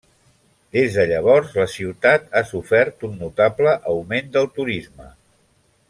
Des de llavors, la ciutat ha sofert un notable augment del turisme.